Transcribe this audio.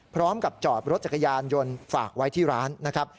พร้อมกับจอดรถจักรยานยนต์ฝากไว้ที่ร้านนะครับ